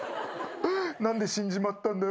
何で死んじまったんだよ。